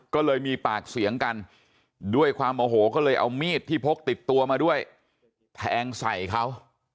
ก็เลยมีปากเสียงกันด้วยความโอโหก็เลยเอามีดที่พกติดตัวมาด้วยแทงใส่เขา